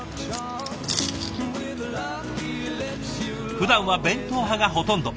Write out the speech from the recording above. ふだんは弁当派がほとんど。